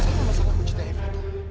saya gak masalah mencintai evita